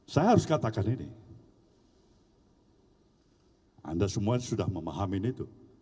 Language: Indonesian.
saya harus katakan ini anda semua sudah memahamin itu